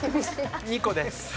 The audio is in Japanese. ２個です。